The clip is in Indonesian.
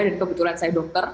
dan kebetulan saya dokter